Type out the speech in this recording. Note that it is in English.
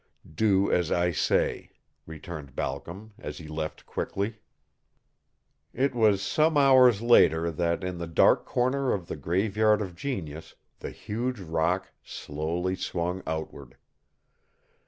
"Do as I say," returned Balcom, as he left quickly. It was some hours later that in the dark corner of the Graveyard of Genius the huge rock slowly swung outward.